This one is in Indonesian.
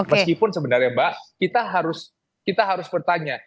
meskipun sebenarnya mbak kita harus bertanya